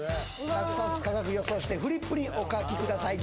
落札価格予想してフリップにお書きください